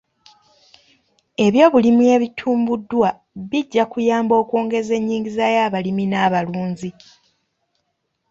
Ebyobulimi ebitumbuddwa bijja kuyamba okwongeza enyingiza y'abalimi n'abalunzi.